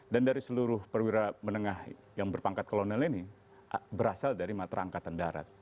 dan dari seluruh perwira menengah yang berpangkat kolonel ini berasal dari matra angkatan darat